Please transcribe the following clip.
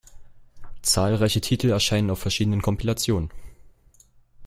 Zahlreiche Titel erscheinen auf verschiedenen Kompilationen.